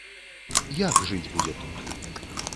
Як, жыць будзе тут?